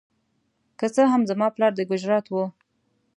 که څه هم زما پلار د ګجرات و.